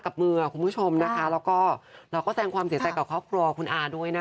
แล้วก็แสงความเสียใจกับครอบครัวคุณอาด้วยนะคะ